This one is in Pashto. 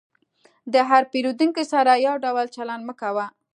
د هر پیرودونکي سره یو ډول چلند مه کوه.